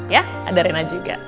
ya ada rena juga